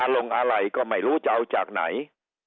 ลงอะไรก็ไม่รู้จะเอาจากไหน